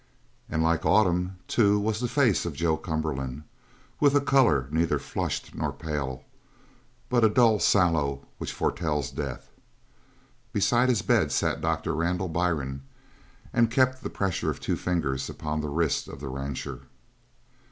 And like autumn, too, was the face of Joe Cumberland, with a colour neither flushed nor pale, but a dull sallow which foretells death. Beside his bed sat Doctor Randall Byrne and kept the pressure of two fingers upon the wrist of the rancher.